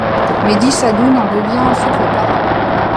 Medi Sadoun en devient ensuite le parrain.